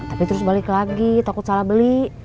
tapi terus balik lagi takut salah beli